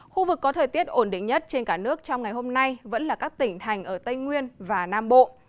khu vực có thời tiết ổn định nhất trên cả nước trong ngày hôm nay vẫn là các tỉnh thành ở tây nguyên và nam bộ